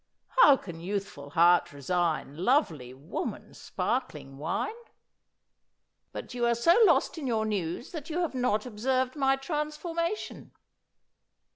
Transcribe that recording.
"How can youthful heart resign Lovely woman, sparkling wine?" But you are so lost in your news that you have not observed my transformation.